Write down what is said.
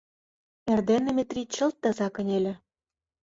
Эрдене Метрий чылт таза кынеле.